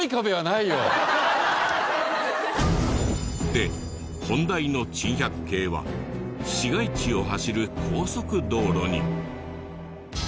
で本題の珍百景は市街地を走る高速道路に。